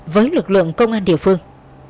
với lực lượng công an địa phương